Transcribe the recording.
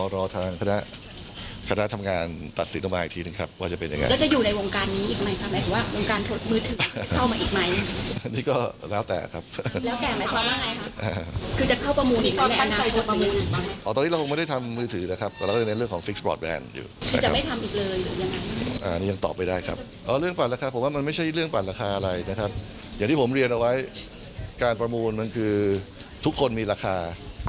ราคาอะไรนะครับอย่างที่ผมเรียนเอาไว้การประมูลมันคือทุกคนมีราคา